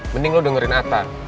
mending lo dengerin ata